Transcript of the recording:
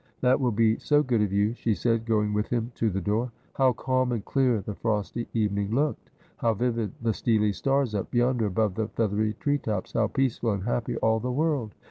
' That will be so good of you,' she said, going with him to the door. How calm and clear the frosty evening looked ! how vivid the steely stars up yonder above the feathery tree tops ! how peaceful and happy all the world